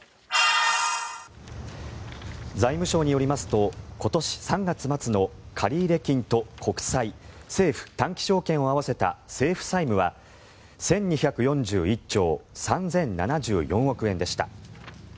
財務省によりますと今年３月末の借入金と国債政府短期証券を合わせた政府債務は１２４１兆３０７４億円でした。